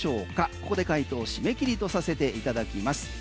ここで解答を締め切りとさせていただきます。